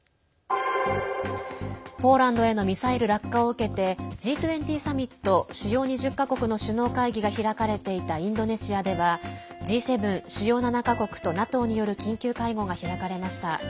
ポーランドへのミサイル落下を受けてＧ２０サミット＝主要２０か国の首脳会議が開かれていたインドネシアではＧ７＝主要７か国とＮＡＴＯによる緊急会合が開かれました。